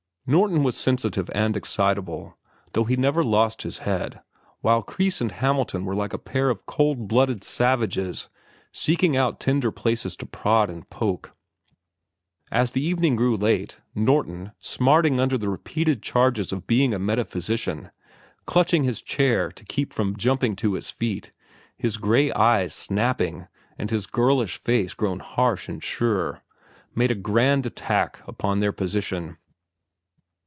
Norton was sensitive and excitable, though he never lost his head, while Kreis and Hamilton were like a pair of cold blooded savages, seeking out tender places to prod and poke. As the evening grew late, Norton, smarting under the repeated charges of being a metaphysician, clutching his chair to keep from jumping to his feet, his gray eyes snapping and his girlish face grown harsh and sure, made a grand attack upon their position.